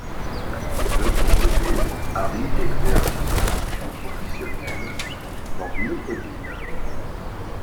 De son côté, Harry exerce ses fonctions professionnelles dans une autre ville.